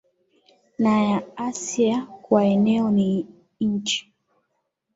na ya Asia Kwa eneo ni nchi